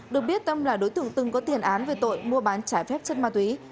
được biết tâm là đối tượng từng có tiền án về tội mua bán trái phép chất ma túy